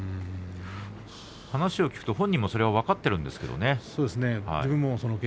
話を聞くと本人もその辺よく分かってるんですけどね。